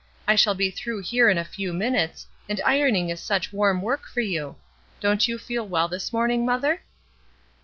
I shall be through here in a few minutes, and ironing is such warm work for you. Don't you feel well this morning, mother?"